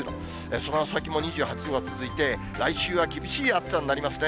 その先も２８度が続いて、来週は厳しい暑さになりますね。